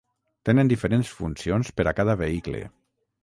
Tenen diferents funcions per a cada vehicle.